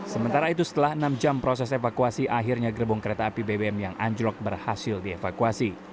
sementara itu setelah enam jam proses evakuasi akhirnya gerbong kereta api bbm yang anjlok berhasil dievakuasi